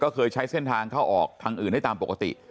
ก็เคยใช้เส้นทางเข้าออกทางอื่นได้ตามปกติ